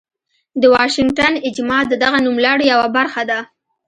د واشنګټن اجماع د دغه نوملړ یوه برخه ده.